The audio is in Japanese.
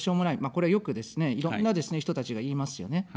これはよくですね、いろんなですね、人たちが言いますよね。